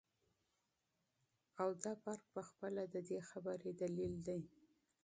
او دافرق په خپله ددي خبري دليل دى